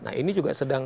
nah ini juga sedang